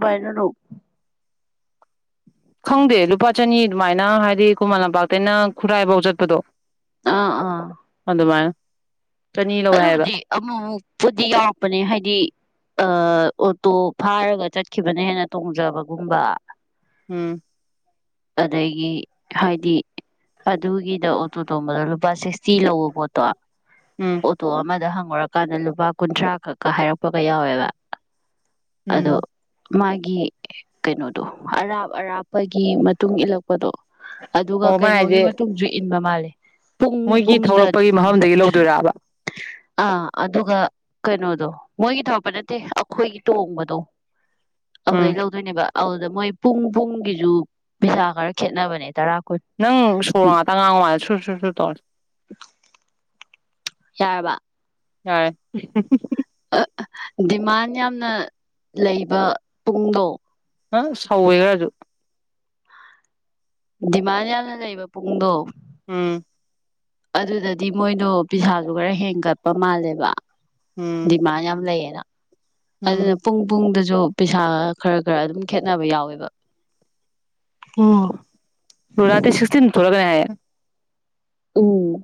ꯕꯥꯥꯏꯅ knock ꯈꯪꯗꯦ ꯂꯨꯄꯥ ꯆꯅꯤ ꯑꯗꯨꯃꯥꯏꯅ ꯍꯥꯏꯗꯤ ꯈꯨꯃꯟ ꯂꯝꯄꯥꯛꯇꯩꯅ ꯈꯨꯔꯥꯏꯐꯧ ꯆꯠꯄꯗꯣ ꯑꯥ ꯑꯥ ꯃ ꯑꯗꯨꯕꯨꯗꯤ ꯑꯃꯨꯛ ꯑꯃꯨꯛꯄꯨꯗꯤ ꯌꯥꯎꯔꯛꯄꯅꯦ ꯍꯥꯏꯗꯤ ꯑ ꯑꯣꯇꯣ ꯐꯥꯔꯒ ꯆꯠꯈꯤꯕꯅ ꯍꯦꯟꯅ ꯇꯣꯡꯖꯕꯒꯨꯝꯕ ꯎꯝ ꯑꯗꯒꯤ ꯍꯥꯏꯗꯤ ꯑꯗꯨꯒꯤꯗ ꯑꯣꯇꯣ ꯇꯣꯝꯕꯗ ꯂꯨꯄꯥ ꯁꯤꯛꯁꯇꯤ ꯂꯧꯕ ꯄꯣꯠꯇꯣ ꯎꯝ ꯑꯣ ꯇꯣ ꯑꯃꯥꯏꯥꯡ ꯉꯔꯀꯥꯟꯗ ꯂꯨꯄꯥ ꯀꯨꯟꯊ꯭ꯔꯥ ꯈꯛꯀ ꯍꯥꯏꯔꯛꯄꯒ ꯌꯥꯎꯋꯦꯕ ꯑꯗꯣ ꯎꯝ ꯃꯥꯒꯤ ꯀꯩꯅꯣꯗꯣ ꯑꯔꯥꯞ ꯑꯔꯥꯞꯄꯒꯤ ꯇꯨꯡ ꯏꯜꯂꯛꯄ ꯣ ꯑꯗꯨꯒ ꯑꯣ ꯃꯥ ꯀꯩꯅꯣꯒꯤ ꯍꯥꯏꯁꯦ ꯃꯇꯨꯡꯁꯨ ꯃ ꯃꯥꯜꯂꯦ ꯄꯨꯡ ꯃꯣꯏꯒꯤ ꯄꯨꯡꯗ ꯊꯧꯔꯛꯄꯒꯤ ꯃꯐꯝꯗꯒꯤ ꯂꯧꯗꯣꯏꯔꯕ ꯑꯥ ꯑꯗꯨꯒ ꯀꯩꯅꯣꯗꯣ ꯃꯣꯏꯒꯤ ꯊꯧꯔꯛꯄ ꯅꯠꯇꯦ ꯑꯩꯈꯣꯏꯒꯤ ꯇꯣꯡꯕꯗꯣ ꯎꯝ ꯑꯗꯨꯗꯩ ꯂꯧꯧꯗꯣꯏꯅꯦꯕ ꯑꯗꯨꯗ ꯃꯣꯏ ꯄꯨꯡ ꯄꯨꯡꯒꯤꯁꯨ ꯄꯩꯁꯥ ꯈꯔ ꯈꯦꯠꯅꯕꯅꯦ ꯇꯔꯥ ꯀꯨꯟ ꯅꯪ ꯁꯣꯔ ꯉꯥꯛꯇ ꯉꯥꯡꯉꯗ ꯁꯨꯔ ꯁꯨ ꯁ ꯇ ꯌꯥꯔꯕ ꯌꯥ ꯗꯤꯃꯥꯟ ꯌꯥꯝꯅ ꯂꯩꯕ ꯄꯨꯡꯗꯣ ꯑ ꯁꯧꯋꯦ ꯔꯖꯨ ꯗꯤꯃꯥꯟ ꯌꯥꯝꯅ ꯂꯩꯕ ꯄꯨꯡꯗꯣ ꯎꯝ ꯑꯗꯨꯗꯗꯤ ꯃꯣꯏꯗꯣ ꯄꯤꯁꯥꯗꯨ ꯈꯔ ꯍꯦꯟꯒꯠꯄ ꯃꯥꯜꯂꯦꯕ ꯎꯝ ꯗꯤꯃꯥꯟ ꯌꯥꯝ ꯂꯩꯌꯦꯅ ꯎꯝ ꯑꯗꯨꯅ ꯄꯨꯡ ꯄꯨꯡꯗꯁꯨ ꯁꯨ ꯄꯩꯁꯥ ꯈꯔ ꯈꯔ ꯑꯗꯨꯝ ꯈꯦꯠꯅꯕ ꯌꯥꯎꯋꯦꯕ ꯎꯝ ꯔꯇꯦ ꯁꯤꯁꯤ ꯊꯣꯂꯒ ꯍꯥꯏ ꯎꯝ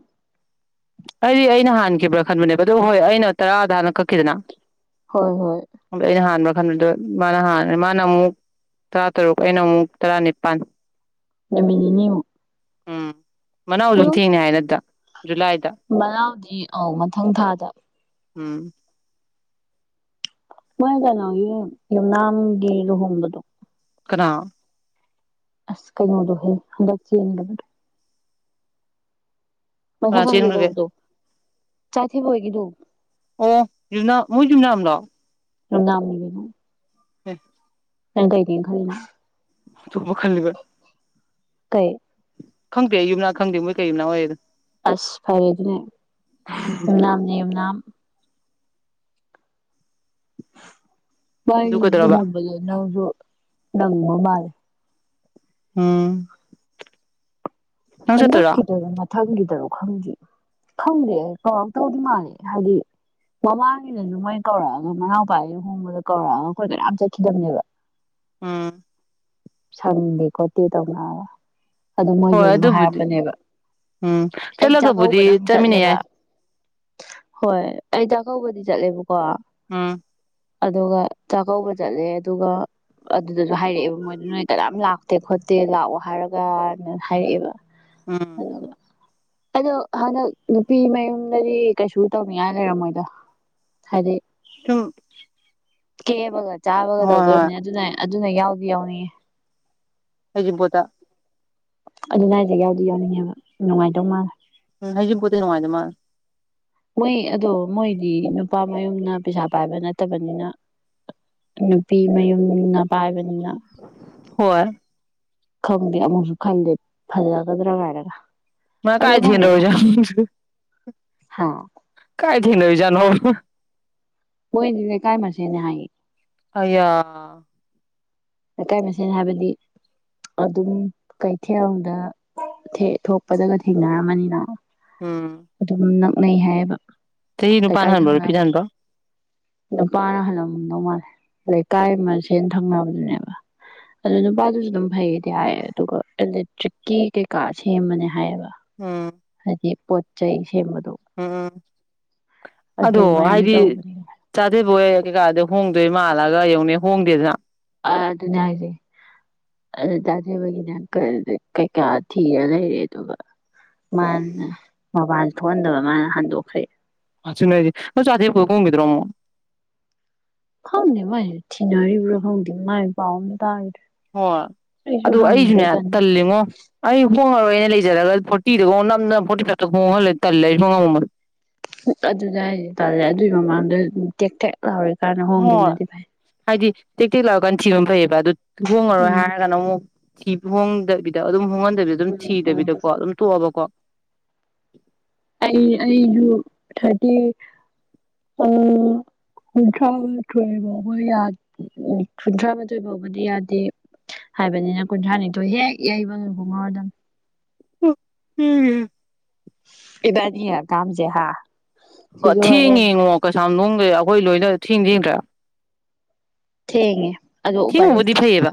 ꯑꯩꯗꯤ ꯑꯩꯅ ꯍꯥꯟꯈꯤꯕ꯭ꯔꯥ ꯈꯟꯕꯅꯦꯕ ꯑꯗꯨ ꯍꯣꯏ ꯑꯩꯅ ꯇꯔꯥꯗ ꯍꯥꯟꯅ ꯀꯛꯈꯤꯗꯅ ꯍꯣꯏ ꯍꯣꯏ ꯟꯗ ꯃꯥꯅ ꯍꯥꯟꯅ ꯃꯥꯅ ꯑꯃꯨꯛ ꯇꯔꯥ ꯇꯔꯨꯛ ꯑꯩꯅ ꯑꯃꯨꯛ ꯇꯔꯥꯅꯤꯄꯥꯜ ꯅꯃꯤꯒꯤꯅꯤ ꯎꯝ ꯃꯅꯥꯎ ꯑꯗꯨꯝ ꯊꯦꯡꯅ ꯍꯥꯏꯅꯠꯇ ꯖꯨꯂꯥꯏꯗ ꯃꯅꯥꯎꯗꯤ ꯑꯧ ꯃꯊꯪ ꯊꯥꯗ ꯎꯝ ꯃꯣꯏ ꯀꯅꯣꯒꯤ ꯌꯨꯝꯅꯥꯝꯒꯤ ꯂꯨꯍꯣꯡꯕꯗꯣ ꯀꯅꯥꯥ ꯑꯁ ꯀꯩꯣꯗꯣꯍꯦ ꯉꯁꯥ ꯀꯅꯥ ꯆꯦꯟꯈ꯭ꯔꯒꯦ ꯐꯪꯂꯤꯗꯧꯕꯗꯣ ꯆꯥꯏꯊꯕ ꯑꯣꯏꯒꯗꯨꯨ ꯑꯣ ꯌꯅ ꯃꯣꯏ ꯅꯝꯗꯣ ꯝꯅ ꯍꯝ ꯅꯪ ꯀꯩꯗꯤꯡ ꯀꯅ ꯊꯃ ꯈꯜꯂꯤꯕ ꯀꯩ ꯈꯪꯗꯦ ꯑꯩ ꯌꯨꯝꯅꯥꯛ ꯈꯪꯗꯦ ꯃꯣꯏ ꯀꯩ ꯌꯨꯝꯅꯥ ꯑꯣꯏꯌꯦ ꯑꯗꯨꯣ ꯑꯁ ꯐꯔꯦ ꯑꯗꯨꯅꯦ ꯌꯨꯝꯅꯥꯝꯅꯦ ꯌꯨꯝꯅꯥꯝ ꯑꯗꯨ ꯀꯩꯗꯧꯔꯕ ꯍꯣꯡꯗꯨ ꯅꯁꯨ ꯅꯪ ꯑ ꯃꯥꯔꯦ ꯑꯝ ꯍ ꯀꯗ ꯃ ꯈꯪꯈꯤ ꯇꯔꯣꯛ ꯈꯪꯗ ꯈꯪꯗꯦ ꯀꯧꯔꯛꯇꯧꯗꯤ ꯃꯥꯜꯂꯦ ꯍꯥꯏꯗꯤ ꯃꯃꯥꯡꯉꯅꯁꯨ ꯃꯣꯏꯅ ꯀꯧꯔꯛꯑꯒ ꯃꯅꯥꯎꯄꯥꯒꯤꯅ ꯍꯣꯡꯕꯗ ꯀꯧꯔꯛꯑꯒ ꯑꯩꯈꯣꯏ ꯀꯌꯥꯝ ꯆꯠꯈꯤꯗꯕꯅꯦꯕ ꯑꯥ ꯁꯪꯗꯦ ꯈꯣꯠꯇꯦ ꯇꯧꯅꯕ ꯍꯣꯏ ꯑꯗꯨꯕꯨꯗꯤ ꯎꯝ ꯑꯩ ꯆꯠꯂꯒꯕꯨꯗꯤ ꯆꯥꯛꯀꯧꯕꯗꯪ ꯆꯠꯃꯤꯟꯅ ꯆꯠꯂꯦꯕ ꯌꯥꯏ ꯍꯣꯏ ꯑꯩ ꯆꯥꯛꯀꯧꯕꯗꯤ ꯆꯠꯂꯦꯕꯀꯣ ꯑꯝ ꯑꯗꯨꯒ ꯆꯥꯛꯀꯧꯕ ꯆꯠꯂꯦ ꯑꯗꯨꯒ ꯑꯗꯨꯗꯁꯨ ꯍꯥꯏꯔꯛꯑꯦꯕ ꯃꯣꯏꯅ ꯅꯣꯏ ꯀꯅꯥꯝ ꯂꯥꯛꯇꯦ ꯈꯣꯠꯇꯦ ꯂꯥꯛꯑꯣ ꯍꯥꯏꯔꯒꯅ ꯍꯥꯏꯔꯛꯑꯦꯕ ꯑꯝ ꯑꯗꯣ ꯍꯟꯗꯛ ꯅꯨꯄꯤ ꯃꯌꯨꯝꯗꯗꯤ ꯀꯩꯁꯨ ꯇꯧꯅꯤꯡꯉꯥꯏ ꯂꯩꯔꯝꯃꯣꯏꯗꯣ ꯍꯥꯏꯗꯤ ꯁꯨꯝ ꯀꯦꯕꯒ ꯆꯥꯕꯒ ꯍꯣꯏ ꯇꯧꯗꯣ ꯍꯣꯏ ꯑꯣꯏꯔꯝꯅꯤ ꯑꯗꯨꯅ ꯑꯗꯨꯅ ꯌꯥꯎꯗꯤ ꯌꯥꯎꯅꯤꯡꯌꯦ ꯍꯒꯤꯄꯣꯠꯇ ꯑꯗꯨ ꯂꯥꯏꯏꯁꯦ ꯌꯥꯎꯗꯤ ꯌꯥꯎꯅꯤꯡꯉꯦꯕ ꯅꯨꯡꯉꯥꯏꯇꯧ ꯃꯥꯜꯂꯦ ꯎ ꯍꯩꯖꯤꯝꯄꯇ ꯅꯨꯡꯉꯥꯏ ꯗꯧ ꯝꯂꯤ ꯃꯣꯏ ꯑꯗꯣ ꯃꯣꯏꯗꯤ ꯅꯨꯄꯥ ꯃꯌꯨꯝꯅ ꯄꯩꯁꯥ ꯄꯥꯏꯕ ꯅꯠꯇꯕꯅꯤꯅ ꯅꯨꯄꯤ ꯃꯌꯨꯝꯅ ꯄꯥꯏꯕꯅꯤꯅ ꯍꯣꯏ ꯈꯪꯗꯦ ꯑꯃꯨꯛꯁꯨ ꯈꯟꯗꯦ ꯐꯖꯒꯗ꯭ꯔꯥ ꯒꯥꯏꯟꯒ ꯃꯥ ꯀꯥꯏ ꯊꯦꯪꯅꯔꯨꯏ ꯖꯠꯅꯣ ꯍꯥ ꯀꯥꯏ ꯊꯦꯡꯅꯔꯨꯏꯖꯅꯣ ꯃꯣꯏꯗꯤ ꯂꯩꯀꯥꯏ ꯃꯁꯦꯅꯤ ꯍꯥꯏ ꯑꯌꯥ ꯂꯩꯀꯥꯏ ꯃꯁꯦꯜ ꯍꯥꯏꯕꯗꯤ ꯑꯗꯨꯝ ꯀꯩꯊꯦꯜꯗ ꯊꯣꯛꯄꯗꯒ ꯊꯦꯡꯅꯔꯝꯃꯅꯤꯅ ꯎꯝ ꯑꯗꯨꯅ ꯅꯩ ꯍꯥꯏꯕ ꯆꯍꯤ ꯅꯨꯄꯥꯅ ꯂꯩꯀꯥꯏ ꯍꯟꯕ꯭ꯔꯣ ꯅꯨꯄꯤꯅ ꯊꯪꯅꯕꯗꯩꯩ ꯍꯟꯕ꯭ꯔꯣ ꯅꯨꯄꯥꯅ ꯍꯜꯂꯝꯗꯧ ꯃꯥꯜꯂꯦ ꯂꯩ ꯂꯩꯀꯥꯏ ꯑꯃꯁꯦꯅ ꯊꯪꯅꯕꯗꯨꯅꯦꯕ ꯑꯗꯨ ꯅꯨꯄꯥꯗꯨꯁꯨ ꯑꯗꯨꯝ ꯐꯩꯗꯤ ꯍꯥꯏ ꯑꯗꯨꯒ ꯏꯂꯦꯛꯇ꯭ꯔꯤꯛꯀꯤ ꯀꯩꯀꯥ ꯁꯦꯝꯕꯅꯦ ꯍꯥꯏꯌꯦꯕ ꯍꯥꯏꯗꯤ ꯄꯣ ꯆꯩ ꯁꯦꯝꯕꯥꯗꯨ ꯑꯥ ꯑꯗꯣ ꯑꯗꯨꯃꯥꯏꯅ ꯍꯥꯏꯗꯤ ꯇꯧꯕꯅꯦ ꯆꯥꯗꯕꯣꯏ ꯀꯩꯀꯥꯗ ꯍꯣꯡ ꯑꯗꯩ ꯃꯥ ꯍꯜꯛꯑꯒ ꯍꯣꯡꯗꯦꯗ꯭ꯅ ꯑ ꯑꯗꯨꯅꯦ ꯍꯥꯏꯁ ꯑꯗꯨ ꯇꯥꯖꯕꯒꯤꯅ ꯀꯩꯀꯥ ꯊꯤꯔ ꯂꯩꯔꯦ ꯑꯗꯨꯒ ꯃꯥꯅ ꯃꯣꯕꯥꯏꯜ ꯊꯣꯛꯍꯟꯗꯕ ꯃꯥꯅ ꯍꯟꯗꯣꯛꯈ꯭ꯔꯦ ꯑꯗꯨꯅꯦ ꯍꯥꯏꯁꯤ ꯃꯧ ꯆꯥꯗꯤ ꯑꯃꯣꯛ ꯍꯣꯡꯒꯤꯗꯔꯣ ꯑꯃꯨꯛ ꯈꯪꯗꯦ ꯃꯥꯏ ꯊꯤꯅꯔꯤꯕ꯭ꯔꯥ ꯈꯪꯗꯦ ꯃꯥꯏ ꯄꯥꯎ ꯑꯃ ꯇꯥꯗ꯭ꯔꯥ ꯍꯣꯏ ꯑꯗꯨ ꯑꯩꯁꯨꯅꯦ ꯇꯟ ꯇꯜꯂꯤꯉꯣ ꯑꯩ ꯍꯣꯡꯉꯔꯣꯏꯅ ꯂꯩꯖꯔꯒ ꯐꯣꯔꯇꯤꯗ ꯉꯣ ꯅꯝꯗꯅ ꯐꯣꯔꯇꯤ ꯐꯥꯏꯐꯇ ꯈꯣꯡꯍꯜꯂꯦ ꯇꯜꯂꯦ ꯑꯩꯁꯨ ꯉꯝꯃꯣꯏ ꯑꯗꯨꯗ ꯍꯥꯏꯁꯦ ꯇꯥꯜꯂꯦ ꯑꯗꯨꯒꯤ ꯃꯃꯥꯡꯗ ꯇꯦꯛ ꯇꯦꯛ ꯂꯥꯎꯔꯤ ꯀꯥꯟꯗ ꯍꯣꯏ ꯍꯣꯡꯒꯤꯕꯅꯗꯤ ꯐꯩ ꯍꯥꯏꯗꯤ ꯇꯦꯛ ꯇꯦꯛ ꯂꯥꯎꯔꯤꯀꯥꯟ ꯊꯤꯕꯅ ꯐꯩꯌꯦꯕ ꯑꯗꯨ ꯍꯣꯡꯉꯔꯣꯏ ꯎꯝ ꯍꯥꯏꯔꯒꯅ ꯑꯃꯨꯛ ꯁꯤꯕꯨꯛ ꯍꯣꯡꯗꯕꯤꯗ ꯑꯗꯨꯝ ꯍꯣꯡꯍꯟ ꯗꯕꯤꯗ ꯑꯗꯨꯝ ꯎꯝ ꯎꯝ ꯊꯤꯗꯕꯤꯗꯀꯣ ꯑꯗꯨꯝ ꯇꯣꯛꯑꯕꯀꯣ [inaudible] ꯑꯩ ꯑꯩꯁꯨ ꯊꯥꯔꯇꯤ ꯎꯝ ꯀꯨꯟꯊ꯭ꯔꯥ ꯃꯥꯊꯣꯏ ꯐꯥꯎꯕ ꯌꯥ ꯀꯨꯟꯊ꯭ꯔꯥ ꯃꯥꯊꯣꯏ ꯐꯥꯎꯕꯗꯤ ꯌꯥꯗꯦ ꯍꯥꯏꯕꯅꯤꯅ ꯀꯨꯟꯊ꯭ꯔꯥꯅꯤꯊꯣꯏ ꯍꯦꯛ ꯌꯩꯕ ꯍꯣꯡꯉꯛ ꯑꯗꯕꯅꯦ ꯎꯝ ꯏꯕꯥꯅꯤ ꯍꯀꯥꯝꯖꯦ ꯍꯥꯥ ꯊꯦꯡ ꯉꯦꯉꯣ ꯀꯩꯁꯥꯝꯊꯣꯡꯗꯩ ꯑꯩꯈꯣꯏ ꯂꯣꯏꯅ [inaudible] ꯊꯦꯡꯉꯦ ꯑꯗꯣ ꯎꯄꯥꯏ ꯊꯦꯡꯉꯨꯕꯨꯗꯤ ꯂꯩꯇꯦ ꯐꯩꯌꯦꯕ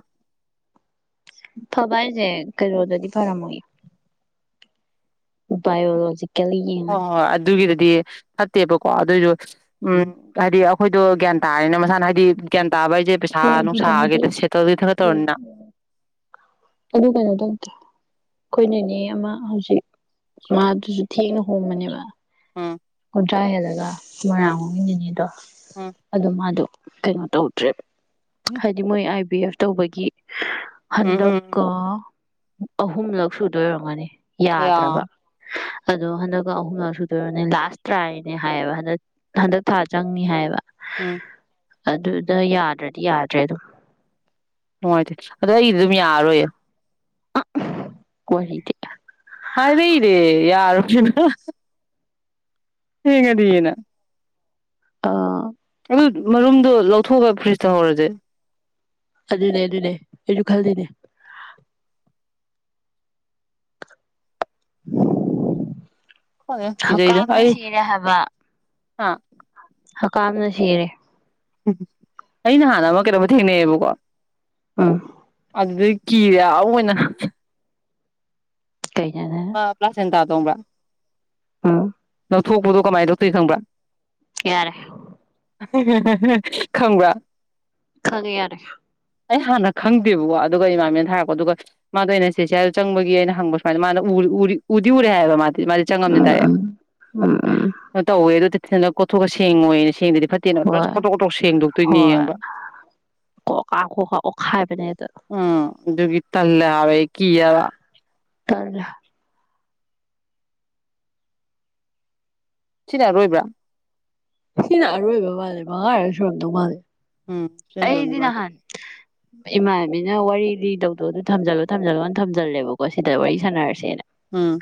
ꯐꯕ ꯍꯥꯏꯁꯦ ꯀꯩꯅꯣꯗꯗꯤ ꯐꯔꯝꯃꯣꯏ ꯕꯥꯏꯑꯣꯂꯣꯖꯤꯛ ꯍꯣꯏ ꯍꯣꯏ ꯑꯗꯨꯒꯤꯗꯗꯤ ꯐꯠꯇꯦꯕꯀꯣ ꯑꯗꯨꯏꯁꯨ ꯎꯝ ꯀꯔꯤ ꯈꯣꯏꯗꯣ ꯒ꯭ꯌꯥꯟ ꯇꯥꯔꯅꯦ ꯃꯁꯥꯅ ꯍꯥꯏꯗꯤ ꯒ꯭ꯌꯥꯟ ꯇꯥꯕ ꯍꯥꯏꯁꯦ ꯄꯩꯁꯥ ꯍꯣꯏ ꯅꯨꯡ ꯑꯗꯨꯗꯕꯨꯗꯤ ꯁꯥꯒꯦꯗ ꯁꯦꯠꯇꯜꯗꯤ ꯈꯔ ꯇꯧꯔꯅꯤꯗꯅ ꯎꯝ ꯑꯗꯨ ꯀꯩꯅꯣ ꯇꯧꯗ꯭ꯔꯥ ꯑꯩꯈꯣꯏ ꯅꯦꯅꯦ ꯑꯃ ꯍꯧꯖꯤꯛ ꯃꯥ ꯑꯗꯨꯖꯨ ꯊꯦꯡꯅ ꯍꯣꯡꯕꯅꯦꯕ ꯎꯝ ꯀꯨꯟꯊ꯭ꯔꯥ ꯍꯦꯜꯂꯒ ꯎꯝ ꯃꯣꯏꯔꯥꯡ ꯂꯣꯝꯒꯤ ꯅꯦꯅꯦꯗꯣ ꯎꯝ ꯑꯗꯣ ꯃꯥꯗꯣ ꯀꯩꯅꯣ ꯇꯧꯗ꯭ꯔꯦꯕ ꯍꯥꯏꯗꯤ ꯃꯣꯏ ꯕꯤ ꯑꯦꯐ ꯇꯧꯕꯒꯤ ꯎꯝ ꯎꯝ ꯍꯟꯗꯛ ꯎꯝ ꯀ ꯑꯍꯨꯝꯂꯛ ꯁꯨꯗꯣꯏ ꯑꯣꯏꯔꯝꯒꯅꯤ ꯑꯌꯥ ꯌꯥꯗ꯭ꯔꯕ ꯑꯗꯣ ꯍꯟꯗꯛ ꯑꯍꯨꯝꯂꯛ ꯁꯨꯗꯣꯏꯔꯅꯤ ꯂꯥꯁꯇ ꯇ꯭ꯔꯥꯏꯅꯦ ꯍꯥꯏꯌꯦꯕ ꯍꯟꯗꯛ ꯍꯟꯗꯛ ꯊꯥ ꯆꯪꯅꯤ ꯍꯥꯏꯌꯦꯕ ꯎꯝ ꯑꯗꯨꯗ ꯌꯥꯗ꯭ꯔꯗꯤ ꯌꯥꯗ꯭ꯔꯦ ꯑꯗꯨꯝ ꯅꯨꯡꯉꯥꯏꯇꯦ ꯑꯗꯣ ꯑꯩꯗꯤ ꯑꯗꯨꯝ ꯌꯥꯔꯔꯣꯏꯌꯦ ꯑ ꯋꯥꯗ ꯍꯥꯏꯗꯦ ꯏꯔꯦ ꯌꯥꯔ ꯍꯉꯗꯤ ꯌꯦꯅ ꯑꯥ ꯃꯔꯨꯝꯗꯣ ꯂꯧꯊꯣꯛꯑꯒ ꯐ꯭ꯔꯤꯖꯇ ꯍꯧꯔꯁꯦ ꯑꯗꯨꯅꯦ ꯑꯗꯨꯅꯦ ꯑꯩꯁꯨ ꯈꯜꯗꯅꯦ ꯎꯝ ꯀ ꯆꯗ ꯑꯩ ꯁꯤꯔꯦ ꯑ ꯍꯀꯥꯝꯅ ꯁꯤꯔꯦ ꯎ ꯑꯩꯅ ꯍꯥꯟꯅ ꯑꯃ ꯀꯩꯅꯣꯝ ꯊꯦꯡꯅꯩꯌꯦꯕꯀꯣ ꯎꯝ ꯑꯗꯨ ꯀꯤꯔꯦ ꯑꯅ ꯀꯩꯅꯣꯅꯦ ꯄ꯭ꯂꯥꯁꯁ ꯑꯦꯟ ꯇꯣꯡꯕ ꯑꯥ ꯊꯣꯛꯄꯗꯣ ꯀꯃꯥꯏꯅ ꯇꯧ ꯇꯣꯏꯔꯤ ꯈꯪꯕ꯭ꯔ ꯌꯥꯔꯦ ꯈꯪꯕ ꯈꯪꯒꯦ ꯌꯥꯔꯦ ꯑꯩ ꯍꯥꯟꯅ ꯈꯪꯗꯦꯕꯀꯣ ꯑꯗꯨꯒ ꯏꯃꯥꯃꯦꯅ ꯊꯔꯛꯄꯣ ꯑꯗꯨꯒ ꯃꯥꯗ ꯑꯩꯅ ꯆꯦꯆꯦꯗ ꯆꯪꯕꯒꯤ ꯑꯩꯅ ꯍꯪꯕ ꯁꯨꯃꯥꯏꯅ ꯃꯥꯅ ꯎ ꯎ ꯎꯔꯤ ꯎꯔꯣ ꯃꯥꯦ ꯃꯥꯗꯤ ꯆꯪꯉꯝꯅꯤ ꯎꯝ ꯇꯥꯏꯔꯦ ꯎꯝ ꯎꯝ ꯎꯝ ꯇꯧꯋꯦ ꯑ ꯑꯗꯨ ꯍ ꯀꯣꯊꯣꯛꯒ ꯁꯦꯡ ꯑꯣꯏ ꯑꯣꯏꯅ ꯁꯦꯡꯗꯗꯤ ꯐꯠꯇꯦꯅ ꯄꯨ ꯍꯣꯏ ꯈꯣꯇꯣꯛ ꯈꯣꯇꯣꯛ ꯁꯦꯡꯗꯣꯛꯇꯣꯏꯅꯦ ꯍꯣꯏ ꯌꯦꯡꯕ ꯀꯣꯀꯥ ꯀꯣꯀꯥ ꯑꯣꯠꯈꯥꯏꯕꯅꯦ ꯑꯗꯣ ꯎꯝ ꯑꯗꯨꯒꯤ ꯇꯜ ꯍꯥꯏꯕꯦ ꯀ ꯌꯥꯕ ꯇꯔ꯭ꯔ ꯁꯤꯅ ꯔꯣꯏꯕ꯭ꯔꯥ ꯁꯤꯅ ꯑꯔꯣꯏꯕ ꯃꯥꯜꯂꯦ ꯃꯉꯥ ꯍꯥꯏꯔꯒ ꯁꯣꯏꯝꯗꯧ ꯃꯥꯜꯂꯦ ꯎꯝ ꯑꯩꯗꯤ ꯅꯍꯥꯟ ꯏꯃꯥꯟꯕꯤꯅ ꯋꯥꯔꯤ ꯀ ꯇꯧꯗꯣ ꯑꯗꯨ ꯊꯝꯖꯜꯂꯣ ꯊꯝꯖꯜꯂꯣꯅ ꯊꯖꯜꯂꯕꯀꯣ ꯁꯤꯗ ꯋꯥꯔꯤ ꯁꯥꯟꯅꯔꯁꯦꯅ ꯎꯝ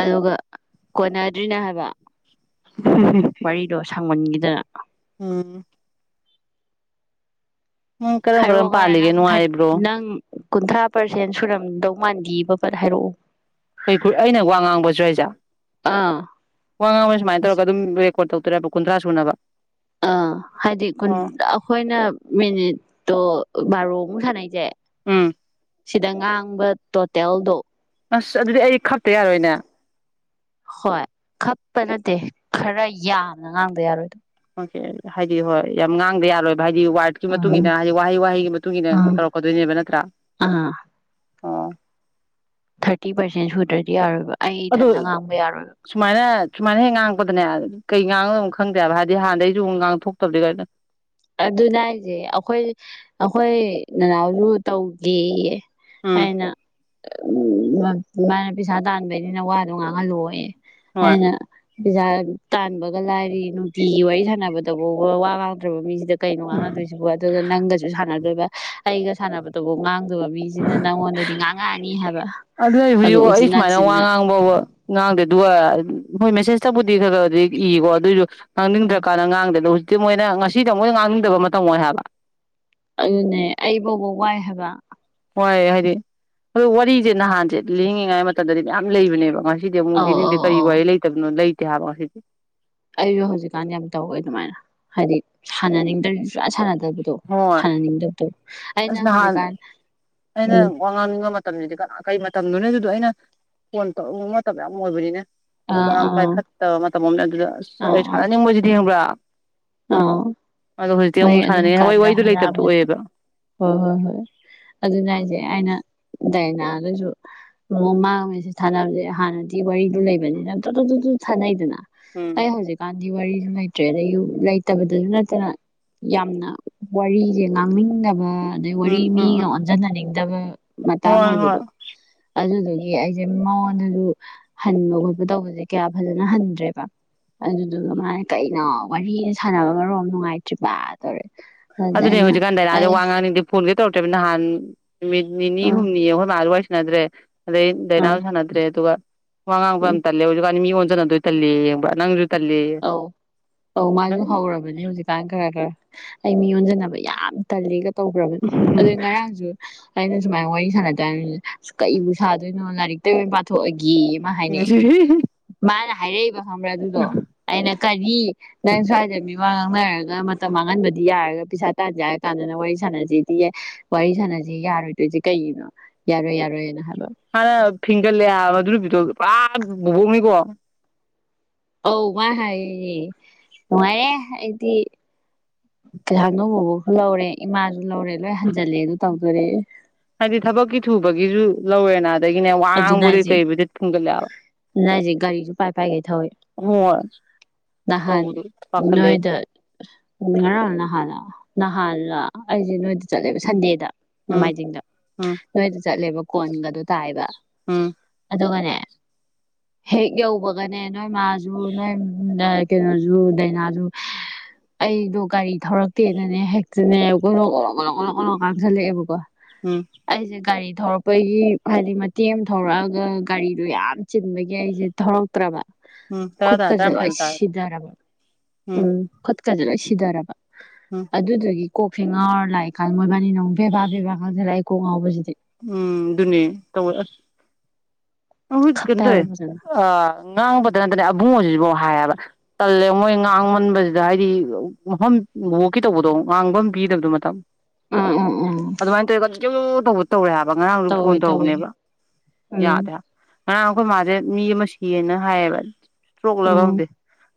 ꯑꯗꯨꯒ ꯀꯣꯟꯅꯗ꯭ꯔꯤꯅꯦ ꯍꯥꯏꯕ ꯎꯝ ꯎꯝ ꯊꯥꯡꯃꯟꯒꯤꯗꯅ ꯎꯝ ꯎꯝ ꯀꯔꯝ ꯍꯥꯏꯔꯛꯑꯣ ꯀꯔꯝ ꯈꯔ ꯄꯥꯜꯂꯤꯒꯦ ꯅꯪ ꯊꯥꯔ ꯅꯨꯡꯉꯥꯏꯕ꯭ꯔꯣ ꯅꯪ ꯀꯨꯟꯊ꯭ꯔꯥ ꯄꯥꯔꯁꯦꯟ ꯁꯨꯔꯝꯗꯧ ꯃꯥꯟꯗꯤꯌꯦ ꯄꯠ ꯍꯥꯏꯔꯛꯎ ꯀꯩ ꯑꯩꯅ ꯋꯥ ꯉꯥꯡꯕꯁꯨ ꯍꯥꯏꯖꯦ ꯑꯥ ꯋꯥ ꯉꯥꯡꯕꯁꯦ ꯁꯨꯃꯥꯏ ꯇꯧꯔꯒ ꯑꯗꯨꯝ ꯐꯣꯟ ꯇꯧꯔꯛ ꯇꯣꯏꯔꯕ ꯀꯟꯊ꯭ꯔꯥ ꯁꯨꯨꯅꯕ ꯑꯥ ꯍꯥꯏꯗꯤ ꯑꯈꯣꯏꯅ ꯃꯤꯅꯤꯠꯇꯣ ꯕꯥꯔꯣ [unintelligible] ꯁꯥꯅꯩꯁꯦ ꯎꯝ ꯁꯤꯗ ꯉꯥꯡꯕ ꯇꯣꯇꯦꯜꯗꯣ ꯑꯁ ꯑꯗꯨꯗꯤ ꯑꯩ ꯈꯞꯇ ꯌꯥꯔꯣꯏꯅꯦ ꯍꯣꯏ ꯈꯞꯄ ꯅꯠꯇꯦ ꯈꯔ ꯌꯥꯝꯅ ꯉꯥꯡꯗ ꯌꯥꯔꯣꯏꯗ ꯑꯣꯀꯦ ꯍꯥꯏꯗꯤ ꯍꯣꯏ ꯌꯥꯝ ꯉꯥꯡꯗ ꯌꯥꯔꯣꯏ ꯍꯥꯏꯗꯤ ꯋꯥꯔꯗꯀꯤ ꯃꯇꯨꯡ ꯎꯝ ꯍꯥꯏꯗꯤ ꯋꯥꯍꯩ ꯋꯥꯍꯩꯒꯤ ꯃꯇꯨꯡ ꯃꯇꯨꯡꯏꯟꯅ ꯎꯝ ꯇꯧꯔꯛꯀꯗꯣꯏꯅꯦꯕ ꯅꯠꯇ꯭ꯔꯥ ꯑꯥ ꯑꯣ ꯊꯥꯔꯇꯤ ꯄꯥꯔꯁꯦꯟ ꯁꯨꯗ꯭ꯔꯗꯤ ꯌꯥꯔꯣꯏꯕ ꯑꯩ ꯑꯗꯨ ꯏꯊꯟꯇ ꯉꯥꯡꯕ ꯌꯥꯔꯣꯏꯕ ꯁꯨꯃꯥꯏꯅ ꯁꯨꯃꯥꯏꯅ ꯍꯦꯛ ꯉꯥꯡꯉꯛꯄꯗꯅꯦ ꯀꯩ ꯉꯥꯡꯒꯗꯧꯅꯣ ꯈꯪꯗꯦꯕ ꯍꯥꯏꯗꯤ ꯍꯥꯟꯅꯗꯩꯁꯨ ꯉꯥꯡ ꯊꯣꯛꯇꯕꯅꯤꯅ ꯑꯗꯨꯅꯦ ꯍꯥꯏꯁꯦ ꯑꯈꯣꯏ ꯑꯈꯣꯏ ꯅꯅꯥꯎꯁꯨ ꯇꯧꯒꯦꯌꯦ ꯎꯝ ꯑꯩꯅ ꯃꯥꯥꯏꯅ ꯄꯩꯁꯥ ꯇꯥꯟꯕꯩꯅꯤꯅ ꯋꯥꯗꯣ ꯉꯥꯡꯍꯜꯂꯣꯌꯦ ꯍꯣꯏ ꯑꯩꯅ ꯄꯩꯁꯥ ꯇꯥꯟꯕꯒ ꯂꯥꯏꯔꯤ ꯅꯨꯡꯇꯤꯒꯤ ꯋꯥꯔꯤ ꯁꯥꯟꯅꯕꯗꯐꯥꯎꯕ ꯋꯥ ꯉꯥꯡꯗ꯭ꯔꯕ ꯃꯤ ꯑꯗꯨꯗ ꯀꯩꯅꯣ ꯉꯥꯡꯅꯗꯣꯏꯁꯤꯕꯣ ꯑꯗꯨꯒ ꯅꯪꯒꯁꯨ ꯁꯥꯟꯅꯗꯣꯏꯕ ꯑꯩꯒ ꯁꯥꯟꯅꯕꯗꯨꯕꯨ ꯉꯥꯡꯗꯕ ꯃꯤꯁꯤꯅ ꯅꯪꯉꯣꯟꯗꯗꯤ ꯉꯥꯡꯉꯛꯑꯅꯤ ꯍꯥꯏꯕ ꯑꯗꯨꯅꯦ ꯑꯗꯣ ꯍꯧꯖꯤꯛ ꯎꯆꯤꯟ ꯑꯩ ꯁꯨꯃꯥꯏꯅ ꯋꯥ ꯅꯥꯆꯤꯟꯅ ꯉꯥꯡꯕ ꯉꯥꯡꯗꯦ ꯑꯗꯨꯒ ꯎ ꯍꯣꯏ ꯃꯦꯁꯦꯖꯇꯕꯨꯗꯤ ꯈꯔꯗꯤ ꯏꯀꯣ ꯑꯗꯣꯏꯁꯨ ꯉꯥꯡꯅꯤꯡꯗ꯭ꯔꯀꯥꯟꯗ ꯉꯥꯡꯗꯦ ꯃꯣꯏꯅ ꯉꯁꯤꯗ ꯃꯣꯏ ꯉꯥꯡꯅꯤꯡꯗꯕ ꯃꯇꯝ ꯑꯣꯏ ꯍꯥꯏꯕ ꯑꯗꯨꯅꯦ ꯑꯩ ꯐꯥꯎꯕ ꯋꯥꯏ ꯍꯥꯏꯕ ꯍꯣꯏ ꯍꯥꯏꯗꯤ ꯑꯗꯣ ꯋꯥꯔꯤꯁꯦ ꯅꯍꯥꯟꯁꯦ ꯂꯤꯅꯤꯡꯉꯤꯉꯥꯏ ꯃꯇꯝꯗꯗꯤ ꯌꯥꯝ ꯂꯩꯕꯅꯦꯕ ꯉꯁꯤ ꯁꯤꯗꯤ ꯑꯃꯨꯨꯛ ꯑꯧ ꯂꯤꯅꯤꯡꯗꯦ ꯑꯧ ꯀꯔꯤ ꯑꯧ ꯋꯥꯔꯤ ꯂꯩꯇꯕꯅꯣ ꯂꯩ ꯇꯦ ꯍꯥꯏꯕ ꯉꯁꯤ ꯑꯩꯁꯨ ꯍꯧꯖꯤꯛꯀꯥꯟꯗꯤ ꯌꯥꯝ ꯇꯧꯋꯦ ꯑꯗꯨꯃꯥꯏꯅ ꯍꯥꯏꯗꯤ ꯁꯥꯟꯅꯅꯤꯡꯗ꯭ꯔꯗꯤ ꯁꯨꯡꯁꯥ ꯁꯥꯟꯅ ꯗꯕꯗꯣ ꯍꯣꯏ ꯁꯥꯟꯅꯅꯤꯡꯗꯕꯗꯣ ꯑꯩꯅ ꯑꯁ ꯅꯍꯥꯟ ꯍꯧꯖꯤꯛꯀꯥꯟ ꯑꯩꯅ ꯎꯝ ꯋꯥ ꯉꯥꯡꯅꯤꯡꯕ ꯃꯇꯝꯗꯗꯤ ꯀꯅꯥꯝ ꯀꯩ ꯃꯇꯝꯗꯅꯣ ꯑꯗꯨꯗꯣ ꯑꯩꯅ ꯐꯣꯟ ꯇꯧꯅꯤꯡꯕ ꯃꯇꯝ ꯌꯥꯝ ꯑꯣꯏꯕꯅꯤꯅꯦ ꯑꯗꯨ ꯑꯥ ꯀꯅꯥꯝ ꯑꯥ ꯄꯥꯏꯈꯠꯇꯕ ꯃꯇꯝ ꯑꯃ ꯑꯗꯨꯗ ꯑꯁ ꯑꯥ ꯑꯩ ꯑꯥ ꯁꯥꯟꯅꯅꯤꯡꯕꯁꯤꯗꯤ ꯈꯪꯕ꯭ꯔꯥ ꯑꯥ ꯑꯗꯣ ꯍꯧꯖꯤꯛꯇꯤ ꯃꯣꯏ ꯑꯃꯨꯛ ꯑꯗꯨꯝ ꯁꯥꯟꯅꯤꯡꯉꯦ ꯍꯣꯏ ꯀꯥꯟꯗ ꯋꯥꯔꯤꯗꯣ ꯂꯩꯇꯕꯗꯣ ꯍꯥꯏꯔꯛꯑꯕꯗꯤ ꯑꯣꯏꯌꯦꯕ ꯍꯣꯏ ꯍꯣꯏ ꯍꯣꯏ ꯑꯗꯨꯅꯦ ꯎꯝ ꯍꯥꯏꯁꯦ ꯑꯩꯅ ꯗꯥꯏꯅꯥ ꯁꯨ ꯃꯃꯥꯒ ꯃꯦꯁꯦꯖ ꯊꯥꯅꯕꯁꯦ ꯍꯥꯟꯅꯗꯤ ꯋꯥꯔꯤꯗꯨ ꯂꯩꯕꯅꯤꯅ ꯇꯣ ꯇꯣ ꯇꯣ ꯊꯥꯅꯩꯗꯅ ꯎꯝ ꯑꯩ ꯍꯧꯖꯤꯛꯀꯥꯟ ꯗꯤ ꯋꯥꯔꯤꯁꯨ ꯂꯩꯇ꯭ꯔꯦ ꯑꯗꯩ ꯂꯩꯇꯕꯗꯁꯨ ꯅꯠꯇꯅ ꯌꯥꯝꯅ ꯋꯥꯔꯤꯁꯦ ꯉꯥꯡꯅꯤꯡꯗꯕ ꯑꯗꯩ ꯋꯥꯔꯤ ꯎꯝ ꯃꯤ ꯎꯝ ꯎꯝ ꯑꯣꯟꯖꯟꯅꯅꯤꯡ ꯗꯒꯨꯝ ꯃꯇꯥꯡ ꯍꯣꯏ ꯍꯣꯏ ꯑꯣꯏꯕꯗꯣ ꯑꯗꯨꯗꯨ ꯑꯩꯁꯦ ꯃꯉꯣꯟꯗꯁꯨ ꯍꯟꯕ ꯈꯣꯠꯄ ꯇꯧꯕꯁꯦ ꯀꯌꯥ ꯐꯖꯅ ꯍꯟꯗ꯭ꯔꯦꯕ ꯑꯗꯨꯗꯨꯒ ꯃꯥꯅ ꯀꯩꯅꯣ ꯋꯥꯔꯤꯅ ꯁꯥꯟꯅꯕꯅ ꯃꯔꯣꯟ ꯑꯝ ꯅꯨꯡꯉꯥꯏꯇ꯭ꯔꯤꯕ ꯇꯧꯔꯛꯑꯦ ꯑꯗꯨꯗꯤ ꯍꯧꯖꯤꯀꯥꯟ ꯗꯥꯏꯅꯥꯁꯦ ꯋꯥ ꯉꯥꯡꯅꯤꯡꯗꯦ ꯐꯣꯟꯁꯤ ꯇꯧ ꯔꯛꯇ꯭ꯔꯦꯕ ꯅꯍꯥꯟ ꯅꯨꯃꯤꯠ ꯅꯤꯅꯤ ꯑꯥ ꯍꯨꯝꯅꯤ ꯑꯩꯈꯣꯏ ꯃꯥꯁꯨ ꯋꯥꯔꯤ ꯁꯥꯟꯅꯗ꯭ꯔꯦ ꯑꯗꯩ ꯑꯥ ꯗꯩꯅꯥꯁꯨ ꯁꯥꯟꯅꯗ꯭ꯔꯦ ꯑꯗꯨꯒ ꯋꯥꯉꯥꯡꯕ ꯌꯥꯝ ꯇꯜꯂꯦ ꯍꯧꯖꯤꯛꯀꯥꯟ ꯃꯤꯉꯣꯟ ꯅꯗꯣꯏ ꯇꯜꯂꯦꯌꯦ [unintelligible] ꯅꯪꯁꯨ ꯑꯧ ꯑꯧ ꯃꯥꯥꯏꯁꯨ ꯍꯧꯔꯕꯅꯦ ꯍꯧꯖꯤꯛꯀꯥꯟ ꯈꯔ ꯈꯔ ꯑꯩ ꯃꯤ ꯑꯣꯟꯖꯟꯅꯕ ꯌꯥꯝ ꯇꯜꯂꯤꯒ ꯇꯧꯒ꯭ꯔꯕꯅꯤ ꯑꯗꯩ ꯇꯜꯂꯦꯌꯦ ꯉꯔꯥꯡꯁꯨ ꯑꯩꯅ ꯁꯨꯃꯥꯏꯅ ꯋꯥꯔꯤ ꯁꯥꯟꯅ [unintelligible] ꯑꯁ ꯀꯩꯔꯤꯕꯨ ꯁꯥꯗꯣꯏꯅꯣ ꯂꯥꯏꯔꯤꯛꯇꯒꯤ ꯑꯣꯏꯅ ꯄꯥꯊꯣꯛꯑꯒꯦ ꯒꯤ ꯃꯥ ꯍꯥꯏꯅꯦ ꯃꯥꯅ ꯍꯥꯏꯔꯛꯏꯕ ꯈꯪꯕ꯭ꯔꯥ ꯑꯗꯨꯗꯣ ꯑꯩꯅ ꯀꯔꯤ ꯅꯪ ꯁ꯭ꯋꯥꯏꯗ ꯃꯤ ꯋꯥ ꯉꯥꯡꯅꯔꯒ ꯃꯇꯝ ꯃꯥꯡꯍꯟꯕꯗꯤ ꯌꯥꯔꯒ ꯄꯩꯁꯥ ꯇꯥꯟꯖꯦ ꯍꯥꯏꯔ ꯀꯥꯟꯗꯅ ꯋꯥꯔꯤ ꯁꯥꯟꯅꯁꯤꯗꯤ ꯌꯥ ꯋꯥꯔꯤ ꯁꯥꯟꯅꯁꯤ ꯌꯥꯔꯣꯏꯗꯣꯏꯁꯤ ꯀꯩꯒꯤꯅꯣ ꯌꯥꯔꯣꯏ ꯌꯥꯔꯣꯏꯅ ꯍꯥꯏꯕ ꯍꯥꯟꯅ ꯐꯤꯡꯒꯜꯂꯤ ꯍꯥꯏꯕ ꯑꯗꯨ ꯅꯨꯄꯤꯗꯨ ꯄꯨꯔꯥ [unintelligible] ꯑꯧ ꯃꯥ ꯍꯥꯏ ꯅꯨꯡꯉꯥꯏꯔꯦ ꯑꯩꯗꯤ [unintelligible] ꯕꯨꯕꯣꯛꯁꯨ ꯌꯥꯎꯔꯦ ꯏꯃꯥ ꯂꯧꯔꯦ ꯂꯣꯏ ꯍꯟꯖꯤꯜꯂꯦ ꯑꯗꯨ ꯇꯧ ꯗꯣꯔꯤ ꯍꯥꯏꯗꯤ ꯊꯕꯛꯀꯤ ꯊꯨꯕꯒꯤꯁꯨ ꯂꯧꯋꯦꯅ ꯑꯗꯨꯅ ꯍꯥꯏꯁꯤ ꯍꯥꯏꯕ ꯑꯗꯨꯅ ꯍꯥꯏꯁꯤ ꯒꯥꯔꯤꯁꯨ ꯄꯥꯏ ꯄꯥꯏꯒꯩ ꯊꯧꯏꯤ ꯍꯣꯏ ꯅꯍꯥꯟ ꯇꯧꯕꯗꯣ ꯄꯥꯈꯠꯂꯦ ꯅꯣꯏꯗ ꯉꯥꯔꯥꯡꯂꯥ ꯅꯍꯥꯟꯂꯥ ꯅꯍꯥꯟꯂ ꯑꯩꯁꯦ ꯅꯣꯏꯗ ꯆꯠꯂꯦꯕ ꯁꯟꯗꯦꯗ ꯎꯝ ꯅꯣꯡꯃꯥꯏꯖꯤꯡꯗ ꯎꯝ ꯅꯣꯏꯗ ꯆꯠꯂꯦꯕ ꯀꯣꯟꯒꯗꯨ ꯇꯥꯏꯕ ꯎꯨꯝ ꯑꯗꯨꯒꯅꯦ ꯍꯦꯛ ꯌꯧꯕꯒꯅꯦ ꯅꯣꯏ ꯃꯥꯁꯨ ꯅꯣꯏ ꯀꯩꯅꯣꯁꯨ ꯗꯥꯏꯅꯥꯖꯨ ꯑꯩꯗꯣ ꯒꯥꯔꯤ ꯊꯧꯔꯛꯇꯦꯅꯅꯦ ꯍꯦꯛꯇꯅꯦ ꯀꯣ ꯀꯂꯣ ꯀꯂꯣ ꯉꯥꯡꯖꯤꯜꯂꯛꯑꯦꯕꯀꯣ ꯎꯝ ꯑꯩꯁꯦ ꯒꯥꯔꯤ ꯊꯧꯔꯛꯄꯒꯤ ꯍꯥꯏꯗꯤ ꯃꯇꯦꯛ ꯑꯃꯥ ꯊꯧꯔꯛꯑꯒ ꯒꯥꯔꯤꯗꯨ ꯌꯥꯝ ꯆꯤꯟꯕꯒꯤ ꯑꯩꯁꯦ ꯊꯧꯔꯛꯇ꯭ꯔꯕ ꯎꯝ ꯇꯔꯥ ꯇꯥꯔꯦ ꯈꯨꯠꯀꯁꯦ ꯂ‌ꯣꯏ ꯇꯔꯥꯃꯥꯊꯣꯏꯕꯨ ꯇꯥꯔꯦ ꯁꯤꯊꯔꯕ ꯎꯝ ꯂ‌ꯣꯏ ꯁꯤꯗꯔꯕ ꯎꯝ ꯑꯗꯨꯗꯨꯒꯤ ꯀꯣꯛꯁ‌ꯦ ꯉꯥꯎꯔ ꯂꯥꯛꯏꯀꯥꯟ ꯃꯣꯏꯕꯥꯅꯤꯅꯨ ꯕꯦꯕꯥꯕꯕꯥ ꯉꯥꯡꯁꯤꯜ ꯂꯥꯛꯏ ꯀꯣꯛ ꯉꯥꯎꯕꯁꯤꯗꯤ ꯎꯝ ꯑꯗꯨꯅꯦ ꯇꯧꯋ‌ꯦ ꯑꯁ ꯍꯧ ꯈꯞꯄꯦ ꯀꯩꯅ‌ꯣ ꯇꯧꯋ‌ꯦ ꯍꯥꯏꯕ ꯐꯖꯅ ꯑ ꯉꯥꯡꯕꯗ ꯅꯠꯇꯅ ꯑꯕꯨꯡꯉ‌ꯣ ꯁꯤꯁꯨ ꯗ‌ꯣ ꯍꯥꯏꯌꯦꯕ ꯇꯜꯂꯦ ꯃꯣꯏ ꯉꯥꯡꯃꯟꯕꯁꯤꯗ ꯍꯥꯏꯗꯤ ꯃꯐꯝ ꯋ‌ꯣꯋꯣꯛꯀꯤ ꯇꯧꯕꯗꯣ ꯉꯥꯡꯐꯝ ꯄꯤꯗꯕꯗꯣ ꯃꯇꯝ ꯑꯥ ꯑꯥ ꯑꯥ ꯑꯗꯨꯃꯥꯏ ꯇꯧꯏꯒ ꯇꯧꯋ‌ꯦ ꯍꯥꯏꯕ ꯕ ꯉꯔꯥꯡꯁꯨ ꯇꯧꯋꯦ ꯐꯣꯟ ꯇꯧꯋꯦ ꯇꯧꯔꯨꯕꯅꯦꯕ ꯎꯝ ꯌꯥꯗ‌ꯦ ꯍꯥꯏꯕ ꯉꯔꯥꯡ ꯑꯩꯈꯣꯏ ꯃꯥꯁꯦ ꯃꯤ ꯑꯃ ꯁꯤꯌꯦꯅ ꯍꯥꯏꯌꯦꯕ ꯇꯣꯛꯂꯒ ꯎꯝ ꯈꯪꯗꯦ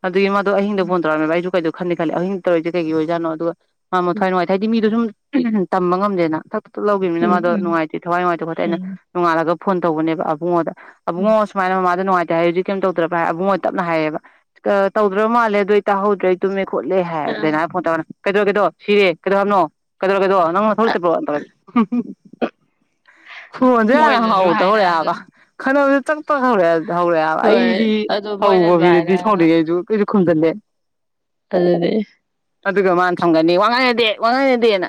ꯑꯗꯨꯏ ꯃꯥꯗꯣ ꯑꯍꯤꯡꯗ ꯐꯣꯟ ꯇꯧꯔꯛꯑꯝꯃꯦꯕ ꯑꯩꯁꯨ ꯀꯩꯗꯧ ꯈꯜꯂꯤ ꯈꯜꯂꯤ ꯑꯍꯤꯡ ꯇꯧꯔꯛꯏꯁꯦ ꯀꯩꯒꯤ ꯑꯣꯏꯖꯠꯅꯣ ꯑꯗꯨꯒ ꯃꯥ ꯎꯝ ꯃꯊꯋꯥꯏ ꯅꯨꯡꯉꯥꯏ ꯍꯥꯏꯗꯤ ꯃꯤꯗ‌ꯣ ꯁꯨꯝ ꯎꯝ ꯇꯝꯕ ꯉꯝꯗꯦꯅ ꯂꯧꯈꯤꯕꯅꯤꯅ ꯃꯥꯗ‌ꯣ ꯎꯝ ꯊꯋꯥꯏꯅꯨꯡꯉꯥꯏꯇ‌ꯦ ꯈ‌ꯣꯠꯇ‌ꯦ ꯑꯩꯅ ꯎꯝ ꯅ‌ꯣꯡꯉꯥꯜꯂ ꯐꯣꯟ ꯇꯧꯕꯅꯦꯕ ꯑꯕꯨꯡꯉꯣꯗ ꯎꯝ ꯑꯕꯨꯡꯉ‌ꯣ ꯁꯨꯃꯥꯏꯅ ꯃꯥꯃꯥ ꯗ‌ꯣ ꯅꯨꯡꯉꯥ ꯇ‌ꯦꯁꯨ ꯍꯥꯏ ꯍꯧꯖꯤꯛ ꯀꯩꯝ ꯇꯧꯗ꯭ꯔꯕ ꯑꯕꯨꯡꯉꯣ ꯇꯞꯅ ꯍꯥꯏꯌꯦꯕ ꯇꯧꯗ꯭ꯔꯕ ꯃꯥꯜꯂꯦ ꯑꯗꯨꯏ ꯇꯥꯍꯧꯗꯔꯦ ꯇꯨꯝꯃ‌ꯦ ꯈꯣꯠꯂꯦ ꯍꯥꯏ ꯕ‌ꯦꯅꯥꯎ ꯐꯣꯟ ꯇꯧꯅ ꯀꯩꯗꯧꯔꯒ‌ꯦ ꯗꯣ ꯁꯤꯔꯦ ꯀꯩꯗꯧ ꯍꯥꯏꯕꯅꯣ ꯀꯩꯗꯧꯔꯥꯒ‌ꯦꯗꯣ ꯅꯪ ꯅꯊꯧ ꯂꯩꯇꯕꯔ‌ꯣ ꯍꯥꯏꯅ ꯇꯧꯔꯛꯏ ꯈ‌ꯣꯟꯗ‌ꯣ ꯌꯥꯝꯅ ꯃꯣꯏꯅꯁꯨ ꯍꯥꯎꯇ ꯇꯧꯔ‌ꯦ ꯍꯥꯏꯔꯛꯑꯒ ꯍꯥꯏꯕ ꯈꯠꯅꯕꯁ‌ꯦ ꯆꯝꯄ ꯍꯧꯔꯛꯑꯦ ꯍꯥꯏ ꯍꯧꯔꯛꯑꯦꯕ ꯍꯣꯏ ꯑꯩꯗꯤ ꯑꯗꯨ ꯍꯧꯕ ꯃꯣꯏꯅꯁꯨ ꯃꯤꯗꯗꯤ ꯍꯥꯏꯔꯛꯑꯒ ꯁꯧꯅꯤꯡꯉꯩꯁꯨ ꯀꯩꯁꯨ ꯈꯨꯟꯗꯅ‌ꯦ ꯑꯗꯅ‌ꯦ ꯑꯗꯨꯒ ꯃꯥꯅ ꯊꯝꯒꯅꯤ ꯋꯥꯉꯥꯡ ꯌꯥꯗꯦ ꯋꯥꯉꯥꯡ ꯌꯥꯗꯦꯅ